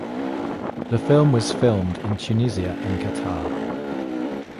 The film was filmed in Tunisia and Qatar.